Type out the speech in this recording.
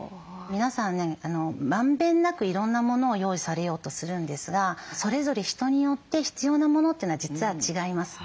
皆さんねまんべんなくいろんなものを用意されようとするんですがそれぞれ人によって必要なものというのは実は違います。